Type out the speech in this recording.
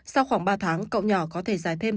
sau khoảng ba tháng cậu nhỏ có thể giải thêm